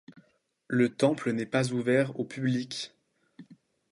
Le temple n'est pas ouvert au public.